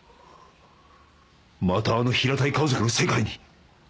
またあの平たい顔族の世界に！